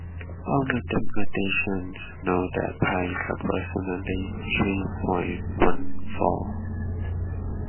All mathematicians know that Pi is approximately three point one four